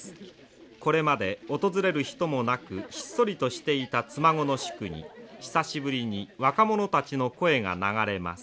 これまで訪れる人もなくひっそりとしていた妻籠宿に久しぶりに若者たちの声が流れます。